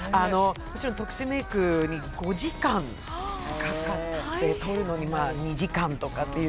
特殊メークに５時間かかって撮るのに２時間とかっていう。